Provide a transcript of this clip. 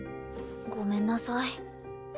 ごめんなさい。